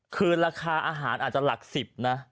คือราคาอาหารอาจจะหลัก๑๐นะ